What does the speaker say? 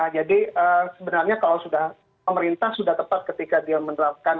jadi sebenarnya kalau sudah pemerintah sudah tepat ketika dia menerapkan